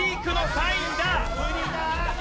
無理だ！